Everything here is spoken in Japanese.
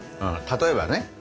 例えばね。